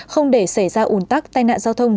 không để xảy ra ủn tắc tai nạn giao thông